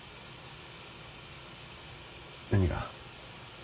何が？